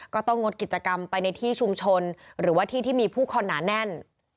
ก็ต้องงดกิจกรรมไปในที่ชุมชนหรือว่าที่ที่มีผู้คนหนาแน่น